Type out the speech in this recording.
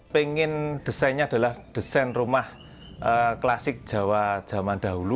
pengen desainnya adalah desain rumah klasik jawa zaman dahulu